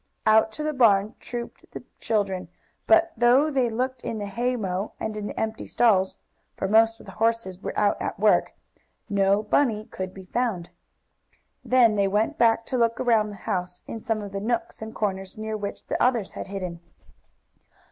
Out to the barn trooped the children, but though they looked in the haymow, and in the empty stalls (for most of the horses were out at work) no Bunny could be found. Then they went back to look around the house, in some of the nooks and corners near which the others had hidden.